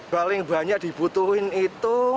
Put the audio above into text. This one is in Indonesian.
paling banyak dibutuhin itu